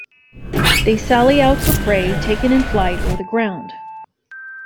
They sally out for prey, taken in flight or the ground.